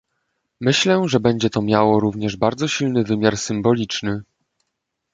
Myślę, że będzie to miało również bardzo silny wymiar symboliczny